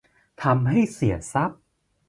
ทำให้เสียทรัพย์